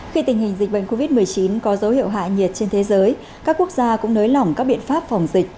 khi tình hình dịch bệnh covid một mươi chín có dấu hiệu hạ nhiệt trên thế giới các quốc gia cũng nới lỏng các biện pháp phòng dịch